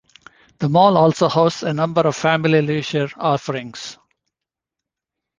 The mall also hosts a number of family leisure offerings.